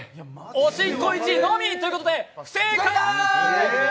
おしんこ１のみということで不正解。